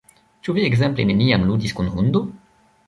Ĉu vi ekzemple neniam ludis kun hundo?